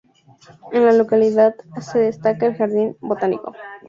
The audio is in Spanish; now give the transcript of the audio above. En la localidad se destaca el Jardín Botánico.